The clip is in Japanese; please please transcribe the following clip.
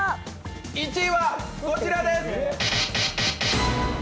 １位はこちらです！